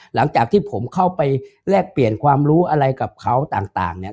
หลังจากที่ผมเข้าไปแลกเปลี่ยนความรู้อะไรกับเขาต่างเนี่ย